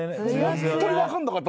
ホントに分かんなかった。